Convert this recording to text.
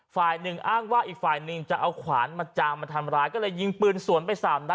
ฝ่ายหนึ่งอ้างว่าอีกฝ่ายหนึ่งจะเอาขวานมาจามมาทำร้ายก็เลยยิงปืนสวนไปสามนัด